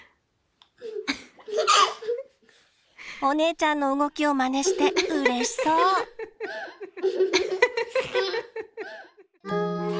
お姉ちゃんの動きをまねしてうれしそう。